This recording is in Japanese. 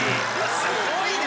すごいで！